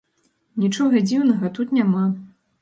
Нічога дзіўнага тут няма.